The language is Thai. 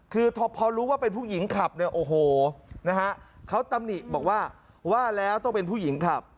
คือพอรู้ว่าเป็นผู้หญิงขับเนี่ยโอ้โหนะฮะเขาตำหนิบอกว่าว่าแล้วต้องเป็นผู้หญิงขับ